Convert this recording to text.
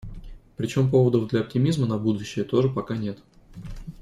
Причём поводов для оптимизма на будущее тоже пока нет.